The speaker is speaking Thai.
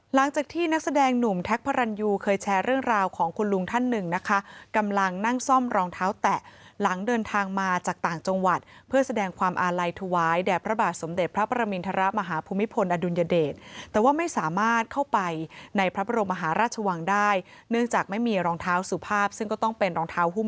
หลังจากที่นักแสดงหนุ่มแท็กพระรันยูเคยแชร์เรื่องราวของคุณลุงท่านหนึ่งนะคะกำลังนั่งซ่อมรองเท้าแตะหลังเดินทางมาจากต่างจังหวัดเพื่อแสดงความอาลัยถวายแด่พระบาทสมเด็จพระประมินทรมาฮภูมิพลอดุลยเดชแต่ว่าไม่สามารถเข้าไปในพระบรมมหาราชวังได้เนื่องจากไม่มีรองเท้าสุภาพซึ่งก็ต้องเป็นรองเท้าหุ้ม